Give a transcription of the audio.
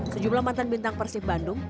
sejumlah mantan bintang persib bandung